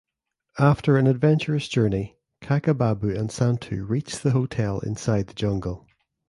After an adventurous journey Kakababu and Santu reach the hotel inside the jungle.